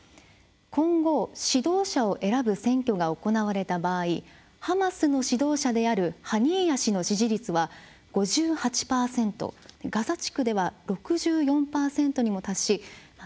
今後指導者を選ぶ選挙が行われた場合ハマスの指導者であるハニーヤ氏の支持率は５８％ガザ地区では６４％にも達し右側